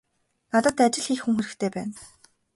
Надад ажил хийх хүн хэрэгтэй байна.